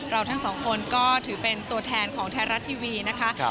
ทั้งสองคนก็ถือเป็นตัวแทนของไทยรัฐทีวีนะคะ